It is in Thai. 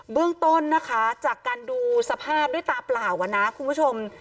เรื่องต้นนะคะจากการดูสภาพด้วยตาเปล่านะคุณผู้ชม